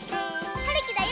はるきだよ！